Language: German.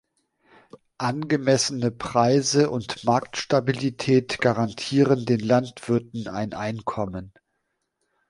Angemessene Preise und Marktstabilität garantieren den Landwirten ein Einkommen.